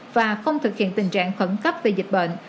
và không thực hiện tình trạng khẩn cấp về dịch bệnh